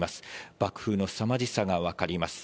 爆風のすさまじさが分かります。